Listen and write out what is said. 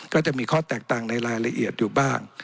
ก็จะมีข้อแตกต่างในรายละเอียดอยู่บ้าง